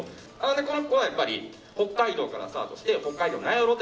この子は北海道からスタートして北海道って